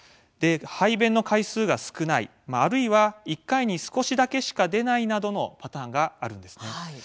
排便の回数が少ないあるいは、１回に少しだけしか出ないなどのパターンがあります。